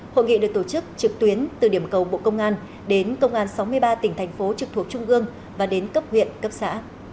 hội nghị được tổ chức trực tuyến từ điểm cầu bộ công an đến công an sáu mươi ba tỉnh thành phố trực thuộc trung ương và đến cấp huyện cấp xã